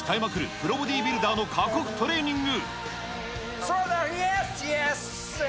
プロボディビルダーの過酷トレーニング。